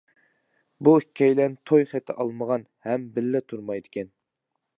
بۇ ئىككىيلەن توي خېتى ئالمىغان، ھەم بىللە تۇرمايدىكەن.